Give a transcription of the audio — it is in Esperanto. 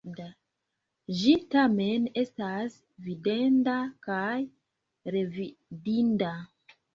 Ĝi tamen estas videnda kaj revidinda.